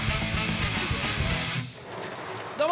どうも。